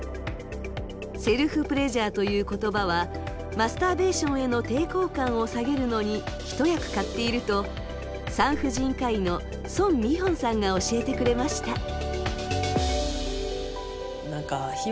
セルフプレジャーという言葉はマスターベーションへの抵抗感を下げるのに一役買っていると産婦人科医の宋美玄さんが教えてくれました。